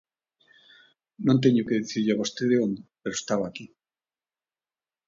Non teño que dicirlle a vostede onde, pero estaba aquí.